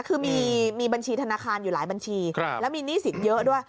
คือมีบัญชีธนาคารอยู่หลายบัญชีแล้วมีหนี้สินเยอะด้วย